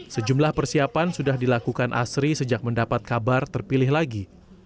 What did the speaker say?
sejumlah persiapan sudah dilakukan asri sejak mendapat kabar terpilih lagi